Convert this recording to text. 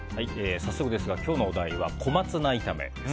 早速ですが、今日のお題はこまツナ炒めです。